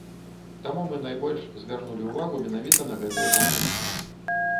Таму мы найбольш звярнулі ўвагу менавіта на гэтыя два пункты.